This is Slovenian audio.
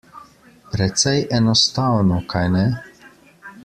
Precej enostavno, kajne?